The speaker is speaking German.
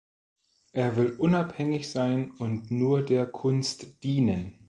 Er will unabhängig sein und nur der Kunst dienen.